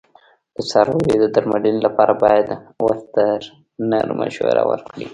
د څارویو د درملنې لپاره باید وترنر مشوره ورکړي.